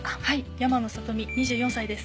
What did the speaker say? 山野里美２４歳です。